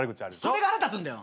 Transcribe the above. それが腹立つんだよ。